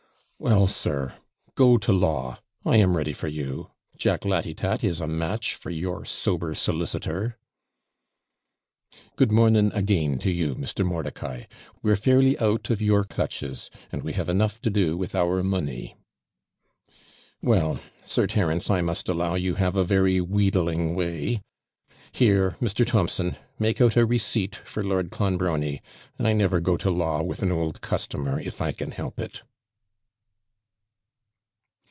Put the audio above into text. Well, sir, go to law I am ready for you; Jack Latitat is A MATCH for your sober solicitor.' 'Good morning again to you, Mr. Mordicai; we're fairly out of your clutches, and we have enough to do with our money.' 'Well, Sir Terence, I must allow you have a very wheedling way Here, Mr. Thompson, make out a receipt for Lord Clonbrony: I never go to law with an old customer, if I can help it.'